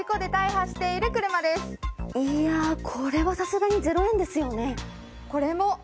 いやこれはさすがに０円ですよね？